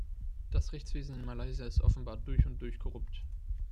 Das Rechtswesen in Malaysia ist offenbar durch und durch korrupt.